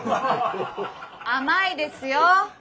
甘いですよ。